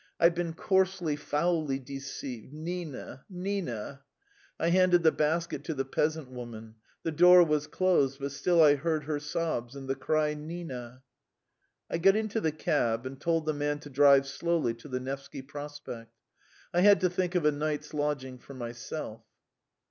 "I've been coarsely, foully deceived! Nina, Nina!" I handed the basket to the peasant woman. The door was closed, but still I heard her sobs and the cry "Nina!" I got into the cab and told the man to drive slowly to the Nevsky Prospect. I had to think of a night's lodging for myself.